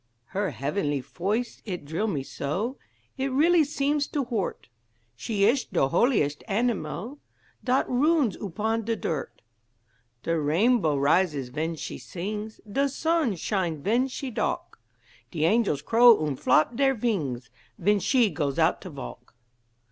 Her heafenly foice it drill me so, It really seems to hoort; She ish de holiest anamile Dat roons oopon de dirt. De re'nbow rises ven she sings, De sonn shine ven she dalk, De angels crow und flop deir vings Ven she goes out to valk.